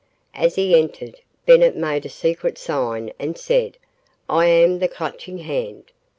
As he entered, Bennett made a secret sign and said: "I am the Clutching Hand.